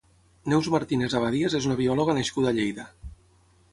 Neus Martínez-Abadías és una biòloga nascuda a Lleida.